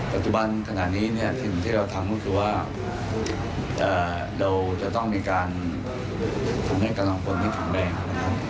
ปัจจุบันขณะนี้ที่เราถามว่าเราจะต้องมีการให้กันลองคนให้ยิ่งแข็งแรง